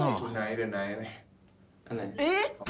「えっ！？」